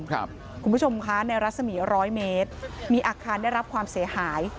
คุณผู้ชมคะในรัศมีร้อยเมตรมีอาคารได้รับความเสียหาย